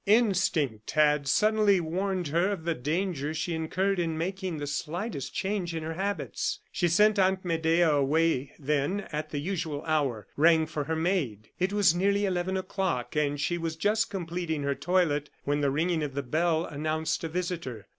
Instinct had suddenly warned her of the danger she incurred in making the slightest change in her habits. She sent Aunt Medea away, then, at the usual hour, rang for her maid. It was nearly eleven o'clock, and she was just completing her toilet, when the ringing of the bell announced a visitor.